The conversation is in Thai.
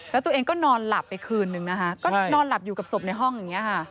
แล้วตัวเองก็นอนหลับไปคืนนึงนะคะก็นอนหลับอยู่กับศพในห้องอย่างนี้ค่ะ